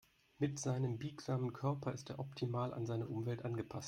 Mit seinem biegsamen Körper ist er optimal an seine Umwelt angepasst.